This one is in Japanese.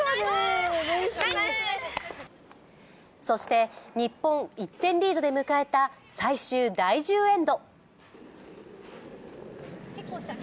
そして日本１点リードで迎えた最終第１０エンド。